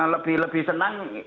lebih lebih senang